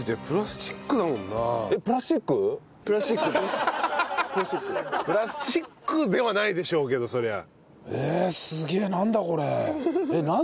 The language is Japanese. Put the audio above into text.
プラスチックではないでしょうけどそりゃあ。